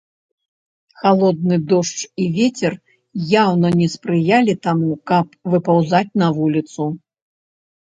Халодны дождж і вецер яўна не спрыялі таму, каб выпаўзаць на вуліцу.